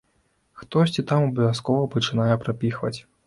Хтосьці там абавязкова пачынае прапіхваць.